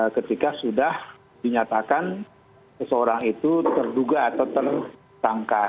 ketika sudah dinyatakan seseorang itu terduga atau tersangka